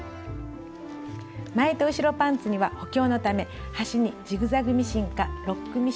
前と後ろパンツには補強のため端にジグザグミシンかロックミシンをかけます。